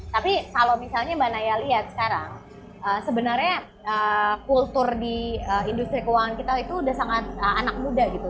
tapi kalau misalnya mbak naya lihat sekarang sebenarnya kultur di industri keuangan kita itu udah sangat anak muda gitu